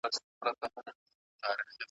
په ازل کي یې لیکلې یو له بله دښمني ده .